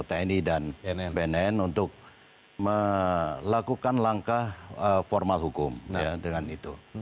tni dan bnn untuk melakukan langkah formal hukum dengan itu